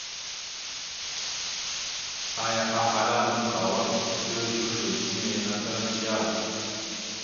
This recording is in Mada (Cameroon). Aya ahala: « Nakw kawa kecəkwe zozor henne naka da yaw? ».